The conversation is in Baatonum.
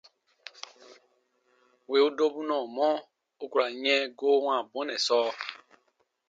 Wì u dobu nɔɔmɔ, u ku ra n yɛ̃ goo wãa bɔnɛ sɔɔ.